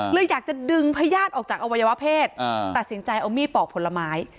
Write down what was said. เลยอยากจะดึงพญาติออกจากอวัยวะเพศตัดสินใจเอามีดปอกผลไม้